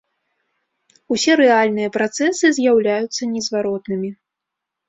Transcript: Усе рэальныя працэсы з'яўляюцца незваротнымі.